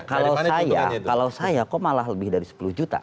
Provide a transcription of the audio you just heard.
kalau saya kok malah lebih dari sepuluh juta